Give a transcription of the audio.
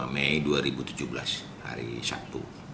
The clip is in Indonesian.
mei dua ribu tujuh belas hari sabtu